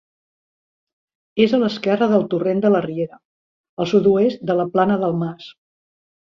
És a l'esquerra del torrent de la Riera, al sud-oest de la Plana del Mas.